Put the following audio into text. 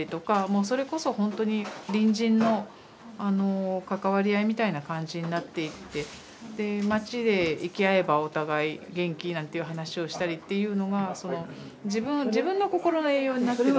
もうそれこそほんとに隣人の関わり合いみたいな感じになっていってで街で行き会えばお互い「元気？」なんていう話をしたりっていうのが自分のこころの栄養になってた。